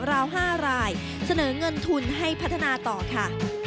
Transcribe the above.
ราว๕รายเสนอเงินทุนให้พัฒนาต่อค่ะ